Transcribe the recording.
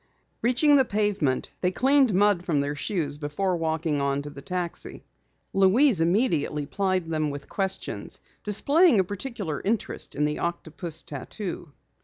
Reaching the pavement, they cleaned mud from their shoes before walking on to the waiting taxi. Louise immediately plied them with questions, displaying particular interest in the octopus tattoo.